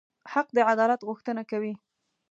حق د عدالت غوښتنه کوي.